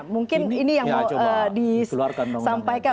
mungkin ini yang mau disampaikan